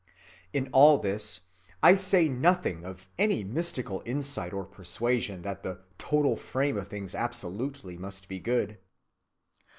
In all this I say nothing of any mystical insight or persuasion that the total frame of things absolutely must be good.